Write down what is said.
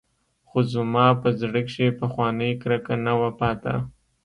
خو زما په زړه کښې پخوانۍ کرکه نه وه پاته.